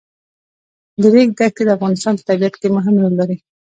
د ریګ دښتې د افغانستان په طبیعت کې مهم رول لري.